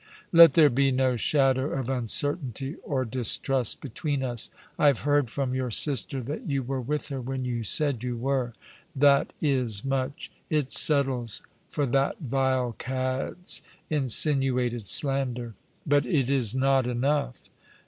" Let there be no shadow of un certainty or distrust between us. I have heard from your sister that you were with her when you said you were. That is much. It settles for that vile cad's insinuated slander; but it is not enough.